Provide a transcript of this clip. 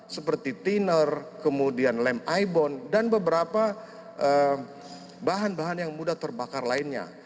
seperti thinner kemudian lem i bone dan beberapa bahan bahan yang mudah terbakar lainnya